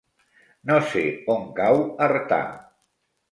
No sé on cau Artà.